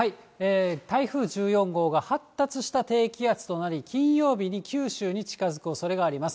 台風１４号が発達した低気圧となり、金曜日に九州に近づくおそれがあります。